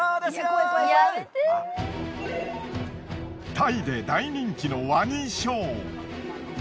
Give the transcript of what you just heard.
タイで大人気のワニショー。